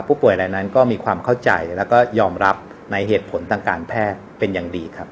อะไรนั้นก็มีความเข้าใจแล้วก็ยอมรับในเหตุผลทางการแพทย์เป็นอย่างดีครับ